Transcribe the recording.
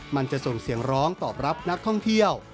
มันจะส่งเสียงร้องตอบรับนักท่องเที่ยว